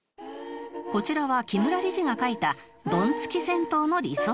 こちらは木村理事が描いたドンツキ銭湯の理想図